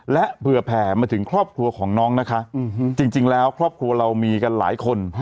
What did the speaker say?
และเผื่อแผ่มาถึงครอบครัวของน้องนะคะจริงแล้วครอบครัวเรามีกันหลายคน